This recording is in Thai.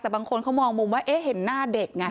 แต่บางคนมองมุมว่าเห็นหน้าเด็กไง